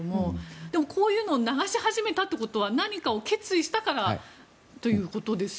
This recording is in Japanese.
でも、こういうのを流し始めたということは何かを決意したからということですよね。